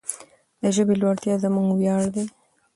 د ژبې لوړتیا زموږ ویاړ دی.